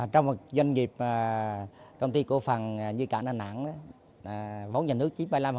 trong một doanh nghiệp công ty cổ phần như cả đà nẵng vốn nhà nước chín mươi năm